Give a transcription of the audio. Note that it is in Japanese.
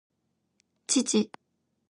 父